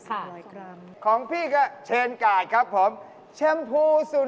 อ้าวแล้ว๓อย่างนี้แบบไหนราคาถูกที่สุด